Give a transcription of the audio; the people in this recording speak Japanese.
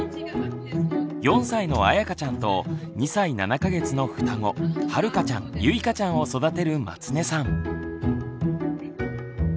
４歳のあやかちゃんと２歳７か月の双子はるかちゃんゆいかちゃんを育てる松根さん。